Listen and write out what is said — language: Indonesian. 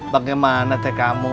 bagaimana cek kamu